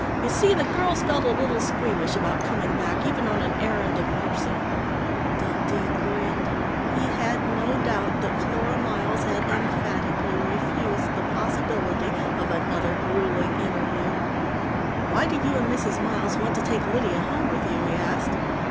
"You see, the girls felt a little squeamish about coming back, even on an errand of mercy " Dundee grinned. He had no doubt that Flora Miles had emphatically refused the possibility of another gruelling interview. "Why do you and Mrs. Miles want to take Lydia home with you?" he asked.